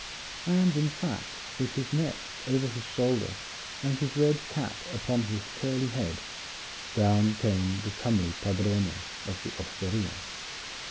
And in fact, with his nets over his shoulder, and his red cap upon his curly head, down came the comely padrone of the osteria.